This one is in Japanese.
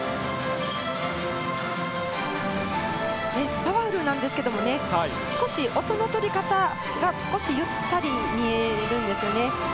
パワフルなんですけれど、少し音の取り方が少しゆったり見えるんですよね。